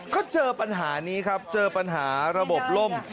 ก็เจอปัญหานี้ครับเจอปัญหาระบบล่ม